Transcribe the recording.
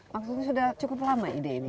maksudnya sudah cukup lama ide ini